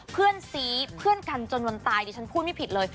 เพื่อนซีเพื่อนกันจนวันตายดิฉันพูดไม่ผิดเลย